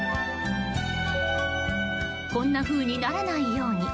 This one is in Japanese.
こんなふうにならないように。